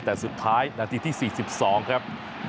แต่สุดท้ายนาทีที่๔๒ครับ